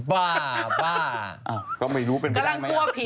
กลัวว่าผมจะต้องไปพูดให้ปากคำกับตำรวจยังไง